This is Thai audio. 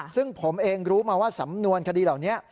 ซึ่งผมเองรู้มาว่าสำนวนคดีเหล่านี้